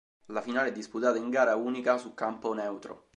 La finale è disputata in gara unica su campo neutro.